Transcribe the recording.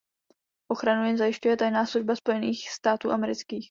Ochranu jim zajišťuje Tajná služba Spojených států amerických.